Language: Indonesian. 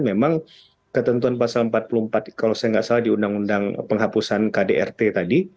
memang ketentuan pasal empat puluh empat kalau saya nggak salah di undang undang penghapusan kdrt tadi